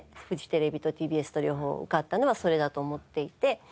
フジテレビとＴＢＳと両方受かったのはそれだと思っていて。